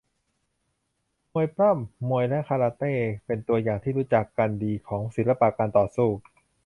มวยปล้ำ มวยและคาราเต้เป็นตัวอย่างที่รู้จักกันดีของศิลปะการต่อสู้